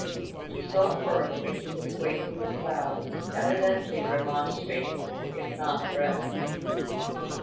He saw Firth making his way through the crowd, evidently remonstrating, if not threatening.